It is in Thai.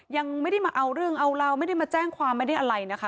ยังไม่ได้มาเอาเรื่องเอาเราไม่ได้มาแจ้งความไม่ได้อะไรนะคะ